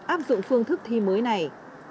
áp dụng phương thức thi mới này